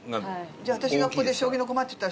じゃあ私がここで「将棋の駒」って言ったら。